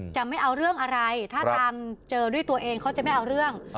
จะไม่เอาเรื่องอะไรถ้าตามเจอด้วยตัวเองเขาจะไม่เอาเรื่อง